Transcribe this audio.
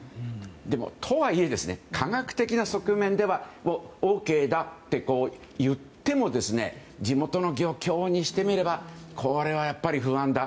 でも、とはいえ科学的な側面ではＯＫだって言っても地元の漁協にしてみればこれは不安だ。